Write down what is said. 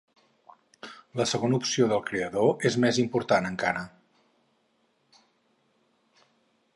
La segona opció del creador és més important encara.